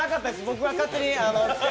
僕が勝手に。